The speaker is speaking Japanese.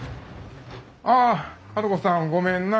ああ治子さんごめんな。